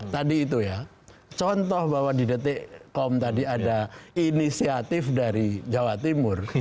tadi itu ya contoh bahwa di detik kom tadi ada inisiatif dari jawa timur